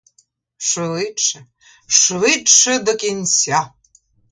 Швидше, швидше до кінця!